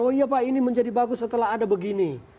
oh iya pak ini menjadi bagus setelah ada begini